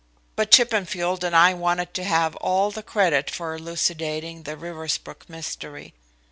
But Chippenfield and I wanted to have all the credit of elucidating the Riversbrook mystery.